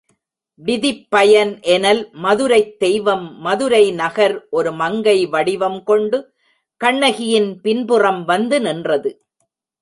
விதிப்பயன் எனல் மதுரைத் தெய்வம் மதுரை நகர் ஒரு மங்கை வடிவம் கொண்டு கண்ணகியின் பின்புறம் வந்து நின்றது.